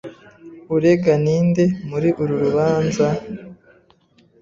Urega ninde muri uru rubanza?